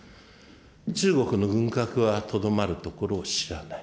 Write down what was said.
中国の軍拡はとどまるところをしらない。